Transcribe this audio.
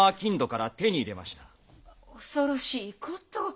恐ろしいこと。